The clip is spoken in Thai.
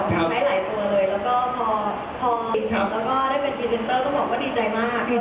หลายลายห้าคืน